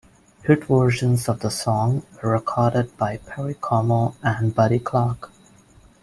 Hit versions of the song were recorded by Perry Como and Buddy Clark.